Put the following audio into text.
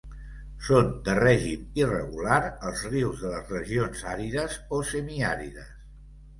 Són de règim irregular els rius de les regions àrides o semiàrides.